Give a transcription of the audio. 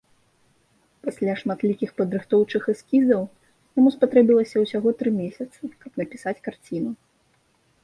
Пасля шматлікіх падрыхтоўчых эскізаў яму спатрэбілася ўсяго тры месяцы, каб напісаць карціну.